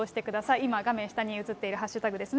今、画面下に映っているハッシュタグですね。